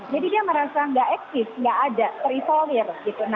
jadi dia merasa tidak exist tidak ada terisolir